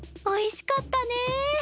おいしかったね。